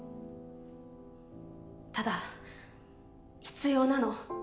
ただ必要なの。